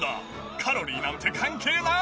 カロリーなんて関係ない！